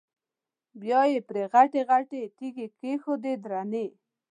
بیا یې پرې غټې غټې تیږې کېښودې درنې.